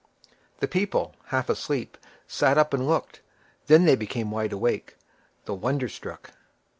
The people, half asleep, sat up and looked; then they became wide awake, though wonder struck.